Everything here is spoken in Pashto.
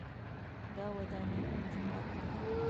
دا ودانۍ کوم جومات نه دی.